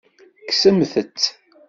Kksemt-t.